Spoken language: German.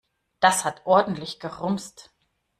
Das hat ordentlich gerumst.